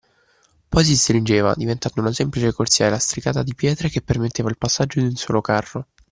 Poi si stringeva, diventando una semplice corsia lastricata di pietre che permetteva il passaggio di un solo carro.